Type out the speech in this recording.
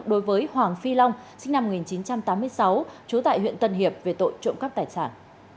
đối với hoàng phi long sinh năm một nghìn chín trăm tám mươi sáu trú tại huyện tân hiệp về tội trộm cắp tài sản